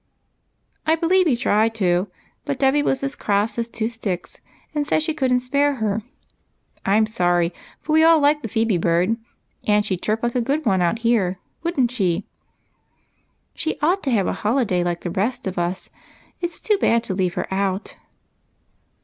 " I believe he tried to, but Dolly was as cross as two sticks, and said she could n't spare her. I 'm sorry, for we all like the Phebe bird, and she 'd chirp like a good one out here, would n't she ?"" She ought to have a holiday like the rest of us. It 's too bad to leave her out.